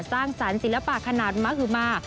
สร้างสรรค์ศิลปะขนาดมหึมา